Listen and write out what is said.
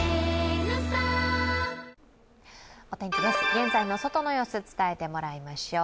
現在の外の様子、伝えてもらいましょう。